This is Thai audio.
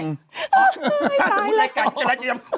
หมดแรกการจริยักษ์ทำ